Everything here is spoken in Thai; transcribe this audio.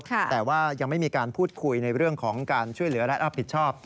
แต่ว่ายังไม่มีการพูดคุยในเรื่องของการช่วยเหลือและรับผิดชอบ